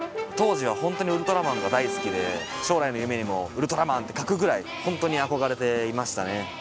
当時はホントにウルトラマンが大好きで将来の夢にも「ウルトラマン」って書くぐらいホントに憧れていましたね。